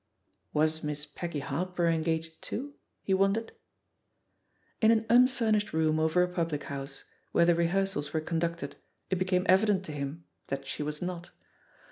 Was Miss Peggy Harper engaged too? he jrondered. In an unfurnished room over a public house, where the rehearsals were conducted, it became evident to him that she was not.